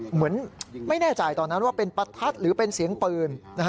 เหมือนไม่แน่ใจตอนนั้นว่าเป็นประทัดหรือเป็นเสียงปืน